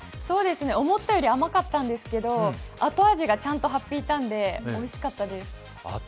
思ったより甘かったんですけど後味がちゃんとハッピーターンでおいしかったです。